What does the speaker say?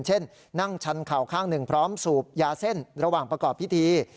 เช่นนั่งชันเข่าข้างหนึ่งพร้อมสูบยาเส้นระหว่างประกอบพิธี